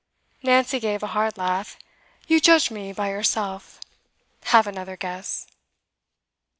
Nancy gave a hard laugh. 'You judged me by yourself. Have another guess!